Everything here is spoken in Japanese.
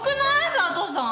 佐都さん。